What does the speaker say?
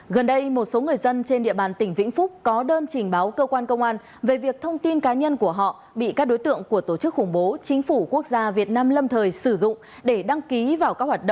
gần đây một số người dân trên địa bàn tỉnh vĩnh phúc có đơn trình báo cơ quan công an về việc thông tin cá nhân của họ bị các đối tượng của tổ chức khủng bố chính phủ quốc gia việt nam lâm thời sử dụng để đăng ký vào các hoạt động